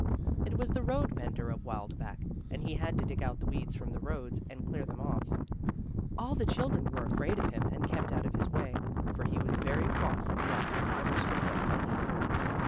It was the road mender of Wildbach and he had to dig out the weeds from the roads and clear them off. All the children were afraid of him and kept out of his way, for he was very cross and rough, and never spoke a friendly word.